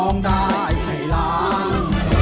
ร้องได้ให้ล้าน